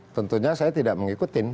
tentunya saya tidak mengikutin